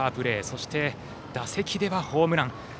そして打席ではホームラン。